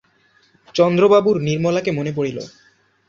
চন্দ্রবাবুর নির্মলাকে মনে পড়িল।